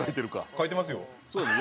描いてますよ。